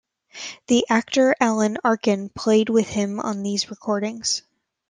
The actor Alan Arkin played with him on these recordings.